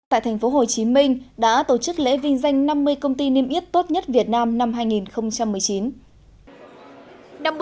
tại thành phố hồ chí minh đã tổ chức lễ viên danh năm mươi công ty niêm yết tốt nhất việt nam năm hai nghìn một mươi chín